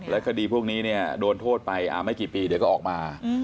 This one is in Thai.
แล้วคดีพวกนี้โดนโทษไปไม่กี่ปีเดี๋ยวก็ออกมา